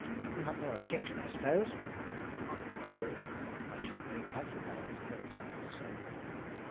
You have no objection, I suppose?" "On the contrary, I shall be very glad for Galloway to hear what I have to say."